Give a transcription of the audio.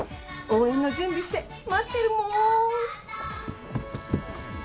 応援の準備して待ってるもーん。